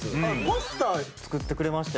パスタ作ってくれましたよ。